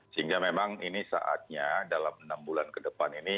sehingga memang ini saatnya dalam enam bulan ke depan ini